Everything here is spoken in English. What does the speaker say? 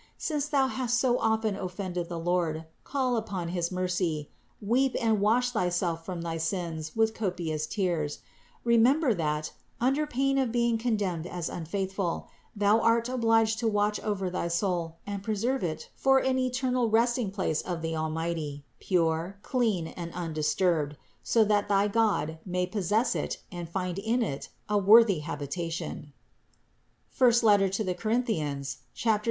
Since thou hast so often offended the Lord, call upon his mercy, weep and wash thyself from thy sins with copious tears; remember that, under pain of being condemned as unfaithful, thou art obliged to watch over thy soul and preserve it for an eternal resting place of the Almighty, pure, clean and THE INCARNATION 331 undisturbed; so that thy God may possess it and find in it a worthy habitation (I Cor. 2, 16).